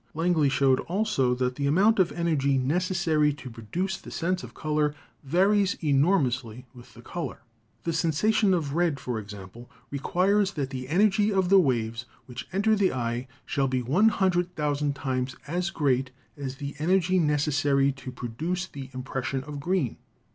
Langley showed also that the amount of energy neces sary to produce the sense of color varies enormously with the color. The sensation of red, for example, requires that the energy of the waves which enter the eye shall be 100,000 times as great as the energy necessary to produce the impression of green.